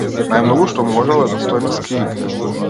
Најмногу што можел е да стои на скиите.